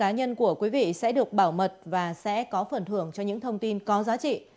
các cá nhân của quý vị sẽ được bảo mật và sẽ có phần thưởng cho những thông tin có giá trị